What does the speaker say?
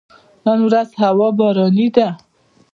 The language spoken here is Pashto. نن ورځ هوا باراني ده